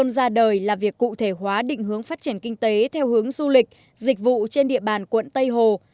trịnh công sơn ra đời là việc cụ thể hóa định hướng phát triển kinh tế theo hướng du lịch dịch vụ trên địa bàn quận tây hồ